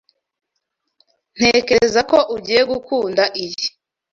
Ntekereza ko ugiye gukunda iyi.